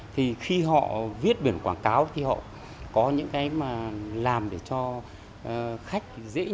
thì khi họ viết biển quảng cáo thì họ có những cái mà làm để cho khách